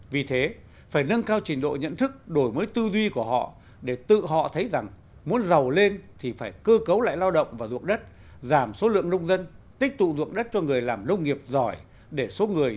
vì thế phải nâng cao trình độ nhận thức đổi mới tư duy của họ để tự họ thấy rằng muốn giàu lên thì phải cơ cấu lại lao động và dụng đất giảm số lượng nông dân tích tụ dụng đất cho người làm nông nghiệp giỏi để số người